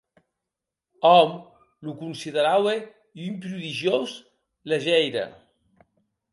Òm lo consideraue un prodigiós legeire.